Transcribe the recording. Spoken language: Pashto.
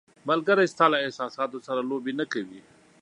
ملګری ستا له احساساتو سره لوبې نه کوي.